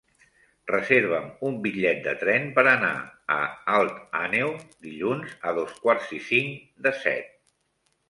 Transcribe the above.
Reserva'm un bitllet de tren per anar a Alt Àneu dilluns a dos quarts i cinc de set.